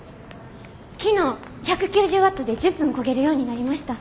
昨日１９０ワットで１０分こげるようになりました。